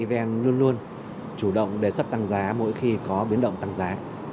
evn luôn luôn chủ động đề xuất tăng giá mỗi khi có biến động tăng giá